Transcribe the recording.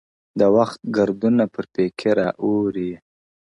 د وخـــت گــــردونـه پــر پـيـــكي را اوري_